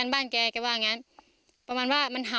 พ่อแบมนี่แหละ